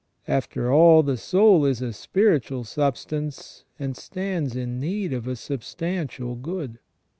After all the soul is a spiritual substance and stands in need of a substan tial good.